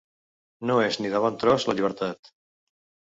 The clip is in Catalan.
No és ni de bon tros la llibertat.